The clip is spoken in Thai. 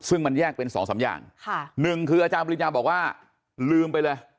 ซึ่งมันแยกเป็นสองสามอย่างค่ะหนึ่งคืออาจารย์ปริญญาบอกว่าลืมไปเลย